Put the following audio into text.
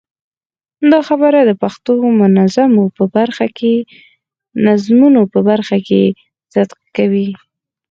دا خبره د پښتو نظمونو په برخه کې صدق کوي.